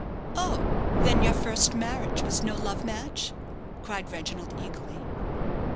"Oh, then, your first marriage was no love match?" cried Reginald, eagerly.